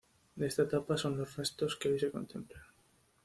De esta etapa son los restos que hoy se contemplan.